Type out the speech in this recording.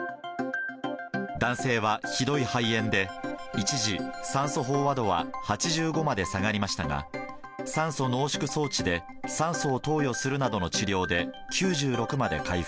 男性は、ひどい肺炎で、一時、酸素飽和度は８５まで下がりましたが、酸素濃縮装置で酸素を投与するなどの治療で９６まで回復。